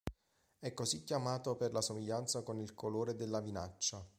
È così chiamato per la somiglianza con il colore della vinaccia.